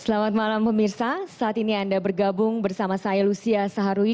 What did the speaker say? selamat malam pemirsa saat ini anda bergabung bersama saya lucia saharwi